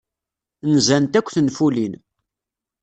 Nzant akk tenfulin.